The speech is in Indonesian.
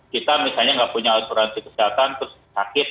kita misalnya nggak punya asuransi kesehatan terus sakit